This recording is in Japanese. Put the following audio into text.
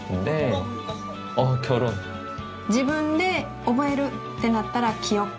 自分で覚えるってなったら。